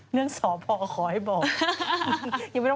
เนื่องสอบพอขอให้บอก